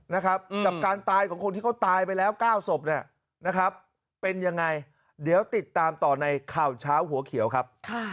นะครับกับการตายของคนที่เขาตายไปแล้ว๙ศพเนี่ยนะครับเป็นยังไงเดี๋ยวติดตามต่อในข่าวเช้าหัวเขียวครับ